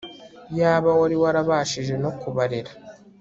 yaba wari warabashije no kubarera